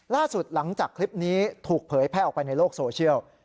ล่าสุดหลังจากคลิปนี้ถูกเผยแพร่ออกไปในโลกโซเชียล